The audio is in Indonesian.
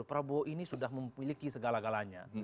prabowo ini sudah memiliki segala galanya